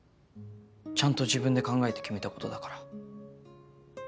ちゃんと自分で考えて決めたことだから。